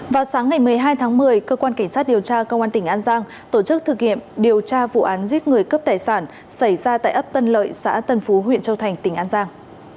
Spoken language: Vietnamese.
vào sáng ngày một mươi hai tháng một mươi cơ quan cảnh sát điều tra công an tỉnh an giang tổ chức thực hiện điều tra vụ án giết người cướp tài sản xảy ra tại ấp tân lợi xã tân phú huyện châu thành tỉnh an giang